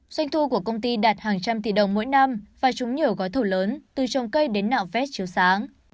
doanh thu của công ty đạt hàng trăm tỷ đồng mỗi năm và trúng nhiều gói thầu lớn từ trồng cây đến nạo vét chiếu sáng